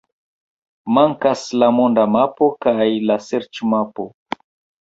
Mankas la monda mapo kaj la serĉmapo.